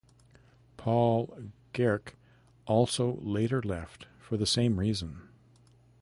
Paul Gehrke also later left for the same reason.